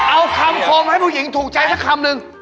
เอาคำคมให้ผู้หญิงถูกใจสักคำนึง